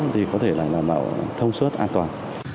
thì có thể là làm bảo thông suất an toàn